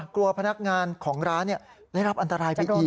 กลัวพนักงานของร้านเนี่ยได้รับอันตรายไปอีก